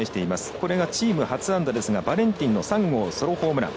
これがチーム初安打ですがバレンティンの３号ソロホームラン。